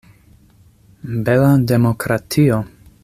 Bela demokratio!